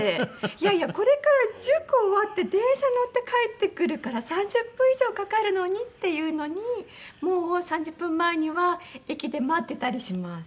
「いやいやこれから塾終わって電車乗って帰ってくるから３０分以上かかるのに」って言うのにもう３０分前には駅で待ってたりします。